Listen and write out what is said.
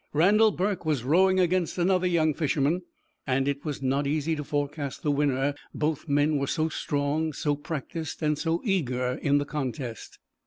Randal Burke was rowing against another young fisherman, and it was not easy to forecast the winner, both men were so strong, so practised, and so eager in the contest.